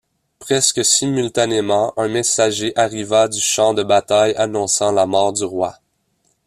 Presque simultanément, un messager arriva du champ de bataille annonçant la mort du roi.